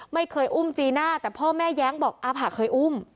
ไม่เคยอุ้มจีน่าแต่พ่อแม่แย้งบอกอาผะเคยอุ้ม